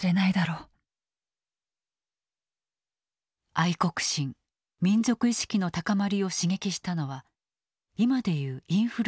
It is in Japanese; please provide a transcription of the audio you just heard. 愛国心民族意識の高まりを刺激したのは今で言うインフルエンサー。